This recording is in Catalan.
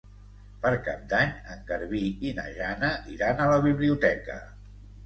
Per Cap d'Any en Garbí i na Jana iran a la biblioteca.